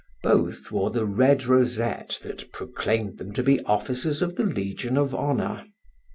Both wore the red rosette that proclaimed them to be officers of the Legion of Honor.